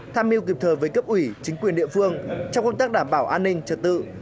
tham mưu kịp thời với cấp ủy chính quyền địa phương trong công tác đảm bảo an ninh trật tự